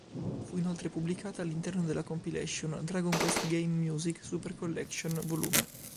Fu inoltre pubblicata all'interno delle compilation "Dragon Quest Game Music Super Collection Vol.